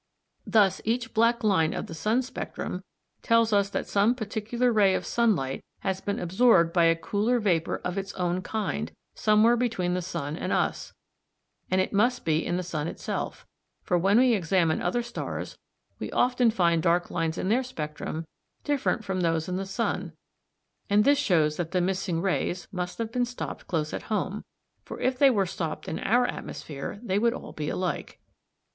_ Thus each black line of the sun spectrum (No. 2, Plate I.), tells us that some particular ray of sunlight has been absorbed by a cooler vapour of its own kind somewhere between the sun and us, and it must be in the sun itself, for when we examine other stars we often find dark lines in their spectrum different from those in the sun, and this shows that the missing rays must have been stopped close at home, for if they were stopped in our atmosphere they would all be alike.